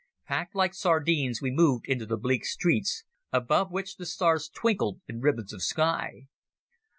Packed like sardines we moved into the bleak streets, above which the stars twinkled in ribbons of sky.